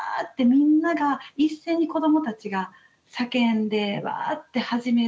みんなが一斉に子どもたちが叫んで「ワ！」って始める。